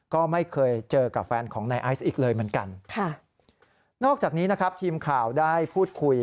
ก็ไม่เคยเจอกับแฟนของนายไอซ์อีกเลยเหมือนกันค่ะนอกจากนี้นะครับทีมข่าวได้พูดคุย